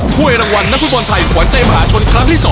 ถ้วยรางวัลนักฟุตบอลไทยขวานใจมหาชนครั้งที่๒